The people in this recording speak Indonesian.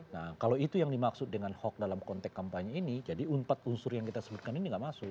nah kalau itu yang dimaksud dengan hoax dalam konteks kampanye ini jadi empat unsur yang kita sebutkan ini tidak masuk